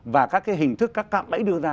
và các cái hình thức các cạm bẫy đưa ra